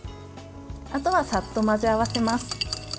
あとは、さっと混ぜ合わせます。